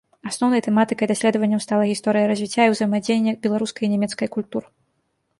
Асноўнай тэматыкай даследаванняў стала гісторыя развіцця і ўзаемадзеяння беларускай і нямецкай культур.